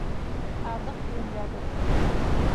Аҙыҡ йүнләгеҙ.